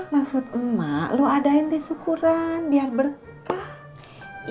maksud emak lo adain di syukuran biar berkah